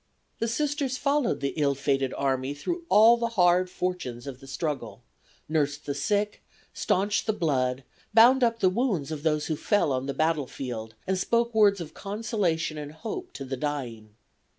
The Sisters followed the ill fated army through all the hard fortunes of the struggle; nursed the sick, stanched the blood, bound up the wounds of those who fell on the battlefield, and spoke words of consolation and hope to the dying.